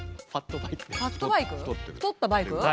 「太ったバイク」？